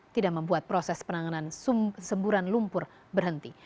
tidak membuat proses penanganan semburan lumpur berhenti